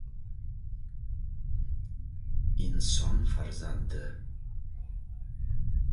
Inson farzandi…